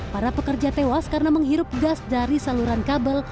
para pekerja tewas karena menghirup gas dari saluran kabel